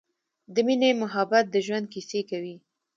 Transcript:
د مینې مخبت د ژوند کیسې کوی